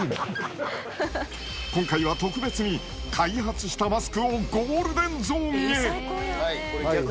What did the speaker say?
今回は特別に、開発したマスクをゴールデンゾーンへ。